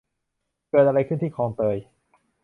เกิดอะไรขึ้นที่คลองเตย ?